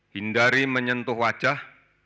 hindari menyentuh wajah